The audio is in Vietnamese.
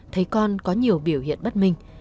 thấy con có nhiều biểu hiện bất minh